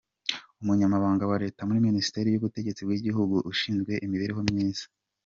Umunyamabanga wa Leta muri Minisiteri y’Ubutegetsi bw’Igihugu, ushinzwe imibereho myiza Dr.